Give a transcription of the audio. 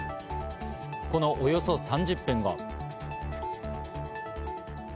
このおよそ３０分後。